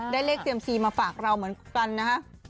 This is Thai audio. ได้เลขเซียมซีมาฝากเราเหมือนกันนะฮะ